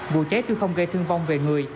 vụ cháy chưa không gây thương vong về người